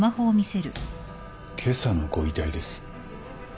今朝のご遺体です。